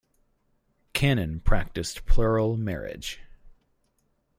Cannon practiced plural marriage.